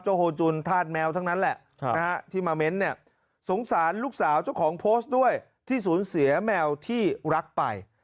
โฮจุนธาตุแมวทั้งนั้นแหละที่มาเม้นเนี่ยสงสารลูกสาวเจ้าของโพสต์ด้วยที่สูญเสียแมวที่รักไป